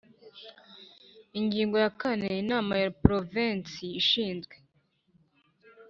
Ingingo ya kane Inama ya Porovensi igizwe